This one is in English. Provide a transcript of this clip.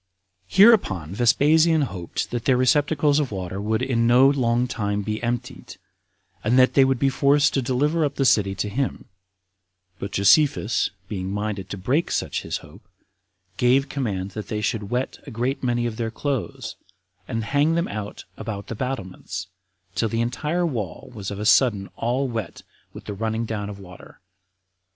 13. Hereupon Vespasian hoped that their receptacles of water would in no long time be emptied, and that they would be forced to deliver up the city to him; but Josephus being minded to break such his hope, gave command that they should wet a great many of their clothes, and hang them out about the battlements, till the entire wall was of a sudden all wet with the running down of the water.